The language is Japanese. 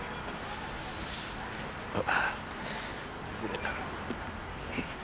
あっずれた。